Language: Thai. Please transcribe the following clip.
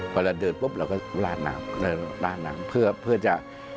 เวลาเดินปุ๊บเราก็ราดน้ำเพื่อจะ